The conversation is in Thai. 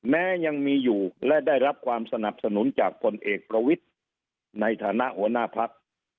แม้ยังมีอยู่และได้รับความสนับสนุนจากผลเอกประวิทธิ์ในฐานะหัวหน้าพัก